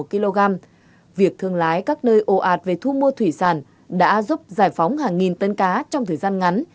các loại thương lái các nơi ồ ạt về thu mua thủy sản đã giúp giải phóng hàng nghìn tân cá trong thời gian ngắn